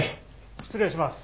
失礼します。